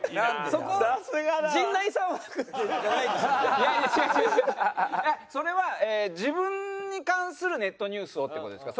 それは自分に関するネットニュースをって事ですか？